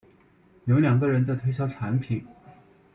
有两个人在推销产品